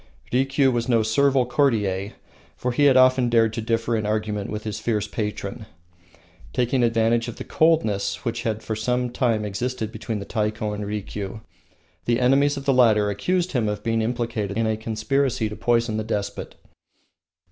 Rikiu was no servile courtier, and had often dared to differ in argument with his fierce patron. Taking advantage of the coldness which had for some time existed between the Taiko and Rikiu, the enemies of the latter accused him of being implicated in a conspiracy to poison the despot.